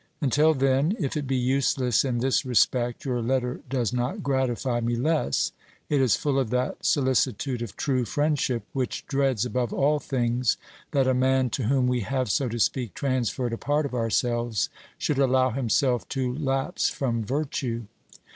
Until then, if it be useless in this respect, your letter does not gratify me less. It is full of that solicitude of true friendship which dreads above all things that a man to whom we have, so to speak, transferred a part of ourselves should allow himself to lapse from virtue.